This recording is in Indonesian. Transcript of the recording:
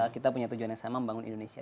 kita punya tujuan yang sama membangun indonesia